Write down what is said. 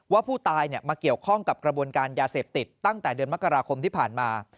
ว่าผู้ตายมาเกี่ยวข้องกับกระบวนการยาเสพติดตั้งแต่เดือนมกราคมที่ผ่านมา